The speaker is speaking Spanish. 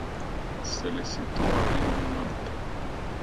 Se le sitúa en el norte.